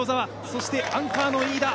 そして、アンカーの飯田。